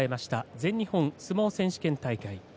全日本相撲選手権大会。